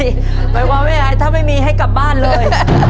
หมายความว่าถ้าไม่มีให้กลับบ้านเลย